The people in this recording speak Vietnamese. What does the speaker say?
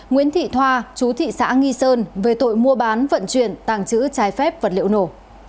nguyễn thị thoa chú thị xã nghi sơn về tội mua bán vận chuyển tàng trữ trái phép vật liệu nổ